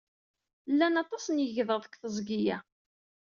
Llan aṭas n yegḍaḍ deg teẓgi-a.